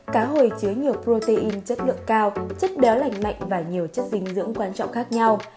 cá hồi chứa nhiều protein chất lượng cao chất béo lành mạnh và nhiều chất dinh dưỡng quan trọng khác nhau